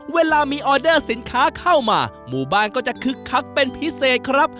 เวลามีออเดอร์สินค้าเข้ามาหมู่บ้านก็จะคึกคักเป็นพิเศษครับ